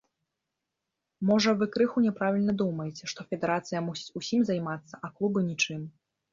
Можа вы крыху няправільна думаеце, што федэрацыя мусіць усім займацца, а клубы нічым.